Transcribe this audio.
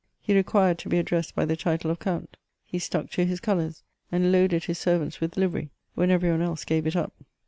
He required to be addressed by the title of count ; he stuck to his colours, and k>aded his servants with livery when every one else gave it up.